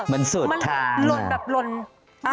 มันหล่นแบบขวาน